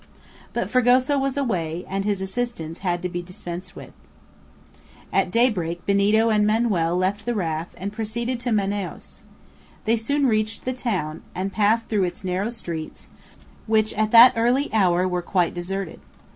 But Fragoso was away, and his assistance had to be dispensed with. At daybreak Benito and Manoel left the raft and proceeded to Manaos. They soon reached the town, and passed through its narrow streets, which at that early hour were quite deserted.